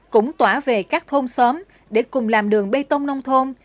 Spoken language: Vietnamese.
cũng tỏa về các thôn xóm để cùng làm đường bê tông nông thôn